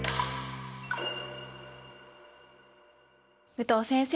武藤先生。